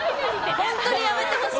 本当にやめてほしい！